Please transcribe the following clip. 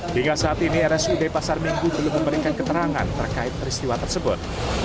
hingga saat ini rsud pasar minggu belum memberikan keterangan terkait peristiwa tersebut